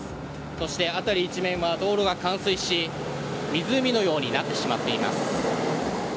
そして辺り一面は道路が冠水し湖のようになってしまっています。